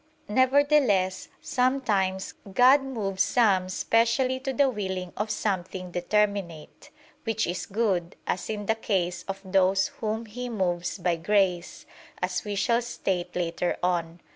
Nevertheless, sometimes God moves some specially to the willing of something determinate, which is good; as in the case of those whom He moves by grace, as we shall state later on (Q.